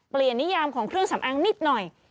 นิยามของเครื่องสำอางนิดหน่อย